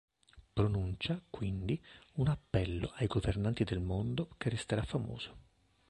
Pronuncia, quindi, un appello ai governanti del mondo che resterà famoso.